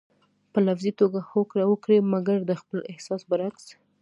په لفظي توګه هوکړه وکړئ مګر د خپل احساس برعکس.